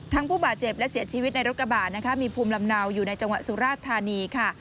ผู้บาดเจ็บและเสียชีวิตในรถกระบาดนะคะมีภูมิลำเนาอยู่ในจังหวัดสุราชธานีค่ะ